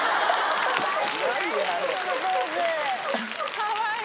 かわいい！